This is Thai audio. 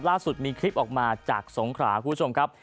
ล่าสุดมีคลิปออกมาจากสงขราคุณผู้ชมครับ